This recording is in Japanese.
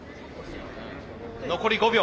残り５秒。